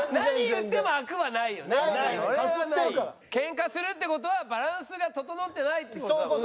ケンカするって事はバランスが整ってないって事だもんね。